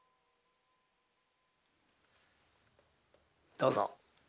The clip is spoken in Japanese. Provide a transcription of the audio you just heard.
どうぞ。